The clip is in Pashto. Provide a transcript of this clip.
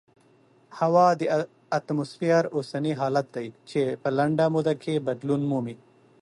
هوا د اتموسفیر اوسنی حالت دی چې په لنډه موده کې بدلون مومي.